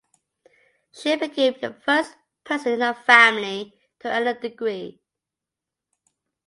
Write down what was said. She became the first person in her family to earn a degree.